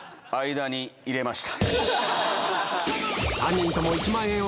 間に入れました。